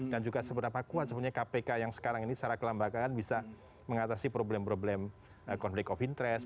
dan juga seberapa kuat sebetulnya kpk yang sekarang ini secara kelambakan bisa mengatasi problem problem konflik of interest